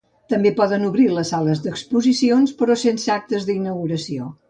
També poden obrir les sales d’exposicions, però sense actes d’inauguració.